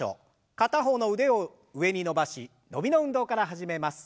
片方の腕を上に伸ばし伸びの運動から始めます。